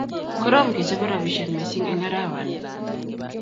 Koroom kechobe robisiek mising eng arawani